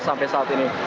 sampai saat ini